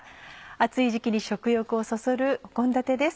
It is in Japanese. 暑い時期に食欲をそそる献立です。